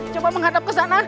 coba menghadap ke sana